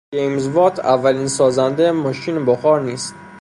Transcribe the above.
جیمز وات اولین سازنده ماشین بخار نیست.